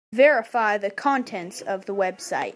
Verify the contents of the website.